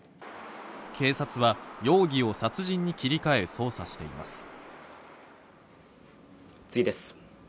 警察は容疑を殺人に切り替え捜査しています。